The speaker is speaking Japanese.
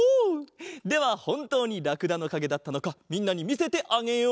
ではほんとうにらくだのかげだったのかみんなにみせてあげよう。